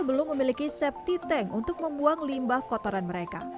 belum memiliki safety tank untuk membuang limbah kotoran mereka